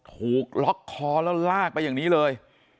ถูกล็อกคอแล้วลากไปอย่างนี้เลย